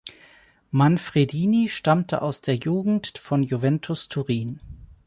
Manfredini stammt aus der Jugend von Juventus Turin.